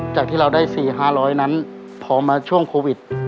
จากที่เราได้สี่ห้าร้อยนั้นพอมาช่วงโควิด